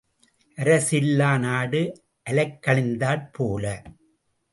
அரசு இல்லா நாடு அலைக்கழிந்தாற் போல.